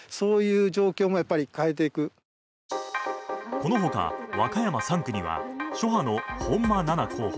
このほか和歌山３区には諸派の本間奈々候補